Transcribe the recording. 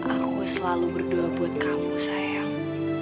aku selalu berdoa buat kamu sayang